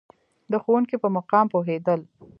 د ښوونکي په مقام پوهېدل.